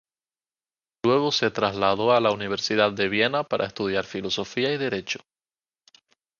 Luego se trasladó a la Universidad de Viena para estudiar filosofía y derecho.